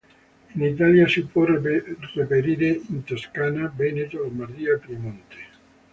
In Italia si può reperire in Toscana, Veneto, Lombardia e Piemonte.